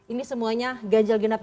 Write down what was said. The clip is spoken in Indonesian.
ini semuanya ganjel genap